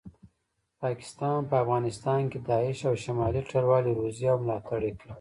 پاکستان په افغانستان کې داعش او شمالي ټلوالي روزي او ملاټړ یې کوي